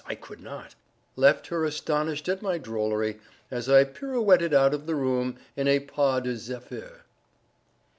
I could not), left her astonished at my drollery, as I pirouetted out of the room in a pas de zephyr.